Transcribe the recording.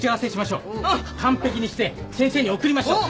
完璧にして先生に送りましょう。